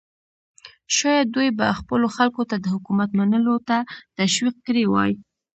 شاید دوی به خپلو خلکو ته د حکومت منلو ته تشویق کړي وای.